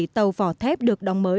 ba mươi bảy tàu vỏ thép được đóng mới